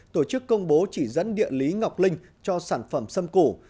tổ chức công bố chỉ dẫn địa lý ngọc linh cho sản phẩm xâm củ